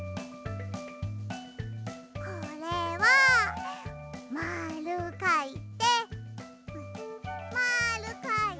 これはまるかいてまるかいて。